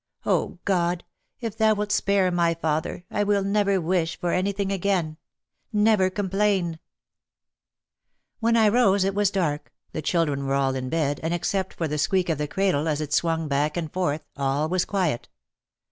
"Oh, God, if Thou wilt spare my father, I will never wish for anything again! Never complain !" When I rose it was dark, the children were all in bed, and except for the squeak of the cradle as it swung back and forth, all was quiet.